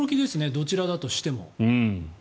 どちらだとしても。